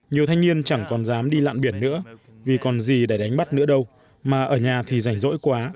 nhiều thanh niên chẳng còn dám đi lạn biển nữa vì còn gì để đánh bắt nữa đâu mà ở nhà thì rảnh rỗi quá